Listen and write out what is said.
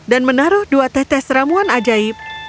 dan menaruh dua tetes ramuan ajaib